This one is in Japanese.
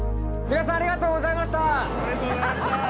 隊長ありがとうございました。